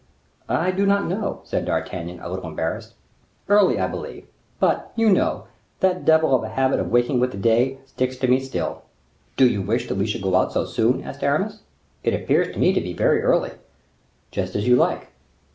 "I do not know," said D'Artagnan, a little embarrassed. "Early, I believe. But, you know, that devil of a habit of waking with the day, sticks to me still." "Do you wish that we should go out so soon?" asked Aramis. "It appears to me to be very early." "Just as you like."